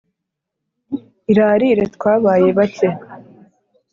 Irarire twabaye bake!